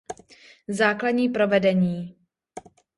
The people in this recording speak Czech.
Základní provedení.